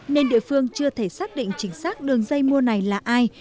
nên địa phương chưa thể xác định chính xác đường dây mua này là ai